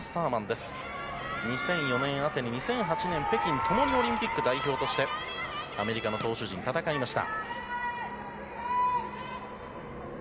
２００４年、アテネ２００８年、北京共にオリンピック代表としてアメリカの投手陣戦いました。